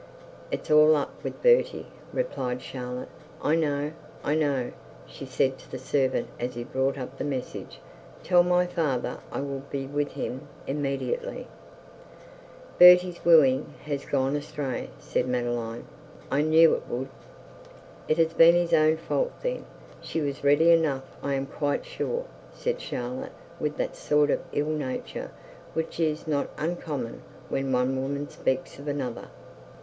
'It's all up with Bertie,' replied Charlotte. 'I know, I know,' she said to the servant, as he brought up the message. 'Tell my father I will be with him immediately.' 'Bertie's wooing gone astray,' said Madeline. 'I knew it would.' 'It has been his own fault then. She was ready enough. I am quite sure,' said Charlotte, with that sort of ill nature which is not uncommon when one woman speaks of another.